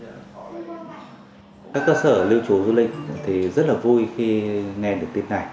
các cơ sở lưu trú du lịch thì rất là vui khi nghe được tin này